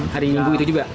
hari minggu itu juga